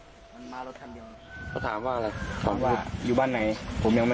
อันนี้ในร้านปืนไทยเราต้องทำบอกว่าทำแบบสู้คุณเป็นคนร้านหัว